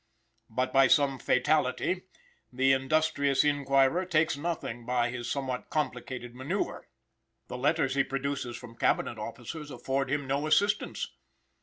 But, by some fatality, the industrious inquirer takes nothing by his somewhat complicated manoeuvre. The letters he produces from Cabinet officers afford him no assistance.